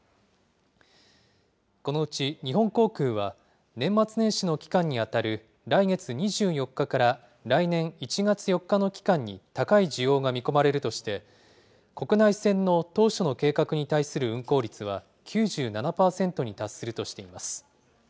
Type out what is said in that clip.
このうち日本航空は、年末年始の期間に当たる来月２４日から来年１月４日の期間に高い需要が見込まれるとして、国内線の当初の計画に対する運航率は９７％に達するとしています。